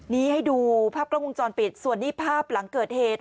นี้ให้ดูภาพกล้องวงจรปิดส่วนนี้ภาพหลังเกิดเหตุ